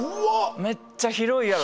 めっちゃ広いやろ？